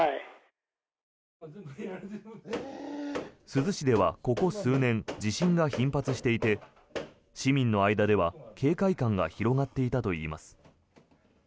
珠洲市ではここ数年地震が頻発していて市民の間では警戒感が広がっていたといいます。